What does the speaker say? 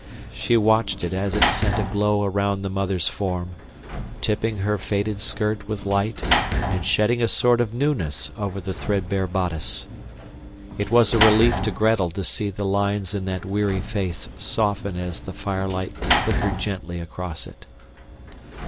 She watched it as it sent a glow around the mother's form, tipping her faded skirt with light and shedding a sort of newness over the threadbare bodice. It was a relief to Gretel to see the lines in that weary face soften as the firelight flickered gently across it.